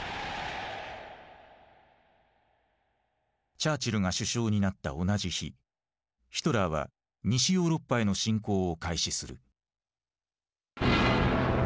チャーチルが首相になった同じ日ヒトラーは西ヨーロッパへの侵攻を開始する。